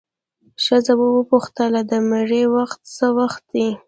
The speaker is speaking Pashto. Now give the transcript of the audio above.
ښځه وپوښتله د مړي وخت څه وخت دی؟